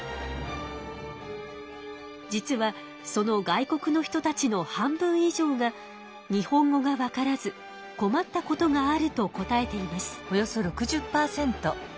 実はその外国の人たちの半分以上が日本語がわからず困ったことがあると答えています。